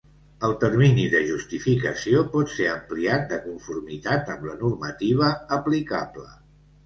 El termini de justificació pot ser ampliat de conformitat amb la normativa aplicable.